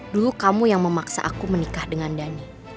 dulu kamu yang memaksa aku menikah dengan dhani